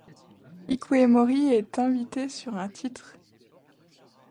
Ikue Mori est invitée sur un titre.